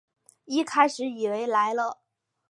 一开始以为来了